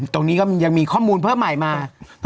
ตรงนี้ก็ยังมีข้อมูลเพิ่มใหม่มา